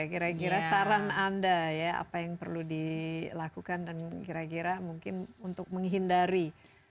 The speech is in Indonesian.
kira kira saran anda ya apa yang perlu dilakukan dan kira kira mungkin untuk menghindari